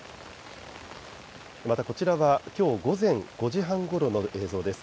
またこちらはきょう午前５時半ごろの映像です。